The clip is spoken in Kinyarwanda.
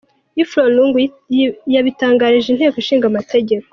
Effron Lungu, yabitangarije Inteko Ishinga amategeko.